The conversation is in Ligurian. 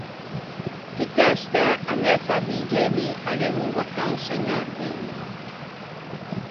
Tutte e stæ, a mæ famiggia e mi anemmo in vacansa in Arbenga.